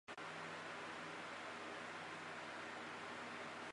感情故事的部分被之后大受欢迎的同名作品改编。